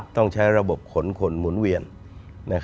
ต้องใช้ระบบขนคนหมุนเวียน